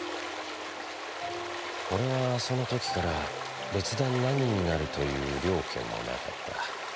おれはその時から別段何になるという了見もなかった。